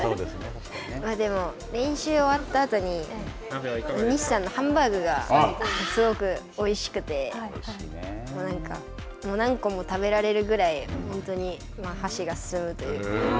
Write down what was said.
でも、練習終わったあとに、西さんのハンバーグがすごくおいしくて、何個も食べられるぐらい、フルに箸が進むというか。